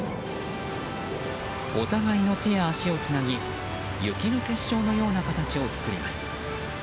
お互いの手や足をつなぎ雪の結晶のような形を作ります。